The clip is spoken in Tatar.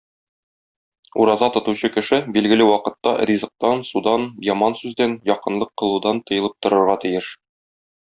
Ураза тотучы кеше билгеле вакытта ризыктан, судан, яман сүздән, якынлык кылудан тыелып торырга тиеш.